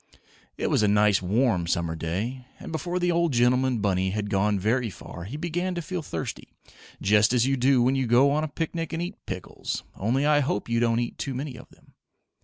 It was a nice warm summer day, and before the old gentleman bunny had gone very far he began to feel thirsty, just as you do when you go on a picnic and eat pickles, only I hope you don't eat too many of them.